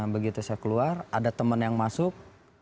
begitu saya keluar ada teman yang masuk